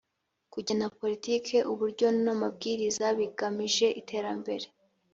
kugena politiki uburyo n amabwiriza bigamije iterambere